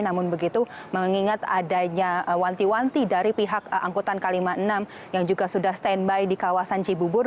namun begitu mengingat adanya wanti wanti dari pihak angkutan k lima puluh enam yang juga sudah standby di kawasan cibubur